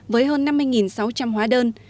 với hơn năm mươi sáu trăm linh hóa đơn